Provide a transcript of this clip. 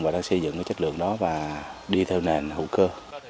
và đã xây dựng cái chất lượng đó và đi theo nền hữu cơ